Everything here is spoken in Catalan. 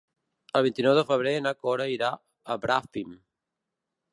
El vint-i-nou de febrer na Cora irà a Bràfim.